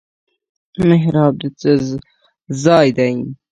محراب د څه ځای دی؟